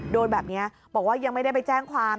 โดนแบบนี้บอกว่ายังไม่ได้ไปแจ้งความ